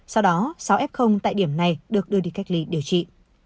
sau đó sáu f tại điểm này được đưa đi cách ly điều trị